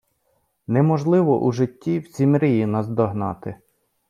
Неможливо у житті всі мрії наздогнати